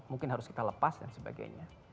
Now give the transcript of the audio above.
mungkin harus kita lepas dan sebagainya